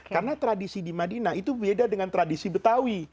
karena tradisi di madinah itu beda dengan tradisi betawi